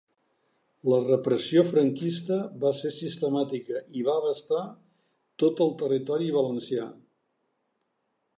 La repressió franquista va ser sistemàtica i va abastar tot el territori valencià.